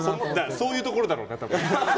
そういうところだろうな多分。